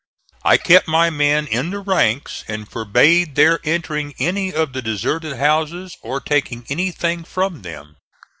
I kept my men in the ranks and forbade their entering any of the deserted houses or taking anything from them.